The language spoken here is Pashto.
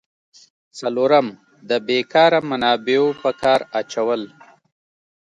څلورم: د بیکاره منابعو په کار اچول.